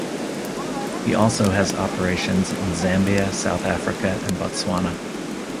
He also has operations in Zambia South Africa and Botswana.